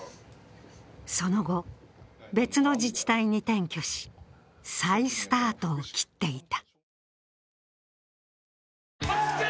その後、別の自治体に転居し再スタートを切っていた。